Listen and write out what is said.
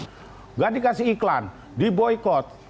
tidak dikasih iklan diboykot